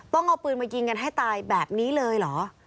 ต้องเอาปืนมายิงกันให้ตายแบบนี้เลยเหรอ